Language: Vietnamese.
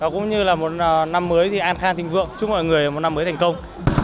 cũng như là một năm mới thì an khang thịnh vượng chúc mọi người một năm mới thành công